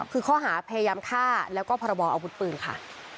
คือข้อหาพยายามฆ่าแล้วก็พรบออาวุธปืนค่ะ